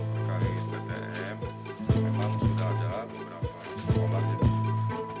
memang berkali ptm memang sudah ada beberapa sekolah yang mempunyai